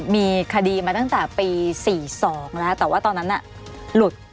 มีคดีมาตั้งแต่ปี๔๒แล้วแต่ว่าตอนนั้นน่ะหลุด